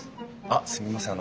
あっすみません